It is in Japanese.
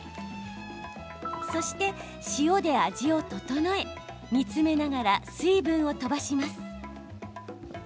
そして、塩で味を調え煮詰めながら水分を飛ばします。